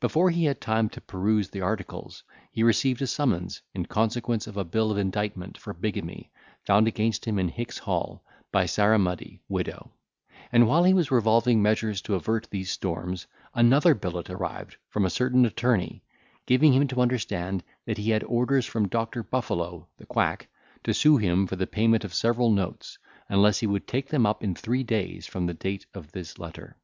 Before he had time to peruse the articles, he received a summons, in consequence of a bill of indictment for bigamy, found against him in Hicks' Hall, by Sarah Muddy, widow; and, while he was revolving measures to avert these storms, another billet arrived from a certain attorney, giving him to understand, that he had orders from Doctor Buffalo, the quack, to sue him for the payment of several notes, unless he would take them up in three days from the date of this letter.